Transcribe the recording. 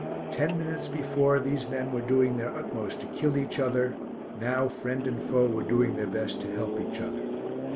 Ten minutes before these men were doing their utmost to kill each other. Now, friend and foe were doing their best to help each other.